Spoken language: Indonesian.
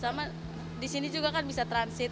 sama disini juga kan bisa transit